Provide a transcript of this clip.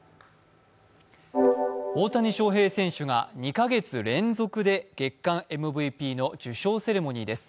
大谷翔平選手が２か月連続で月間ＭＶＰの受賞セレモニーです。